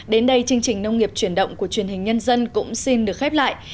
đến đây chương trình nông nghiệp chuyển động của truyền hình nhân dân cũng xin được khép lại